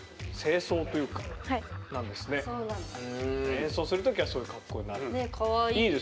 演奏する時はそういう格好になる。ねかわいい。